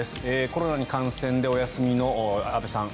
コロナに感染でお休みの安部さん